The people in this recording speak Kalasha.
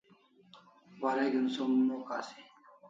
Wareg'in som mo kasi